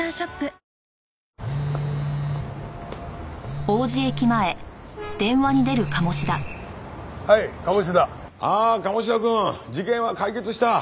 ああ鴨志田くん事件は解決した。